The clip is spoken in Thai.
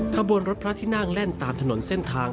ขบวนรถพระที่นั่งแล่นตามถนนเส้นทาง